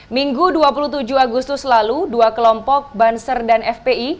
minggu dua puluh tujuh agustus lalu dua kelompok banser dan fpi